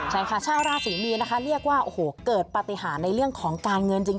ใช่ค่ะชาวราศรีมีนนะคะเรียกว่าโอ้โหเกิดปฏิหารในเรื่องของการเงินจริง